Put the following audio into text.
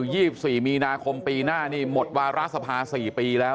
เยอะ๒๔มีนาคมปีหน้าหมดวาราศภา๔ปีแล้ว